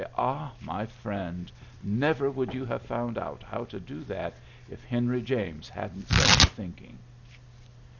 Ah, my friend, never would you have found out how to do that if Henry James hadn't set you thinking!